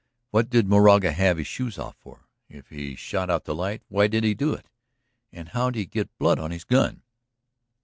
What did Moraga have his shoes off for? If he shot out the light, why did he do it? And how'd he get blood on his gun?"